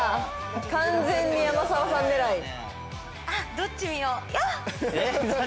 どっち見よう。